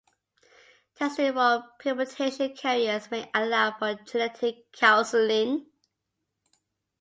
Testing for premutation carriers may allow for genetic counseling.